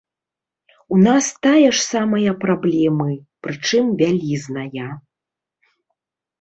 У нас тая ж самая праблемы, прычым вялізная.